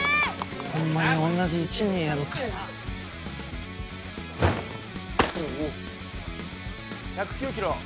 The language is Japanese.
ホンマに同じ１年やろかおお１０９キロ